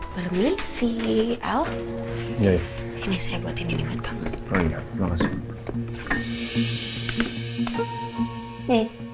berbisi el ini saya buat ini buat kamu